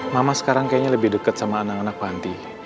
mama sekarang kayaknya lebih dekat sama anak anak panti